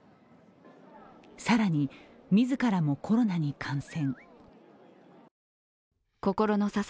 更に、自らもコロナに感染。